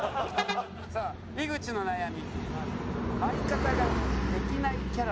さあ井口の悩み。